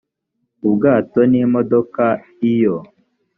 ubwato n imodoka iyo